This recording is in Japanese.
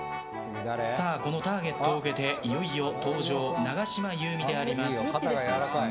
このターゲットを受けていよいよ登場永島優美であります。